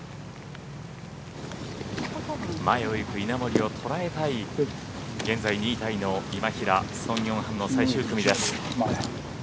前を行く稲森を捉えたい現在２位タイの今平ソン・ヨンハンの最終組です。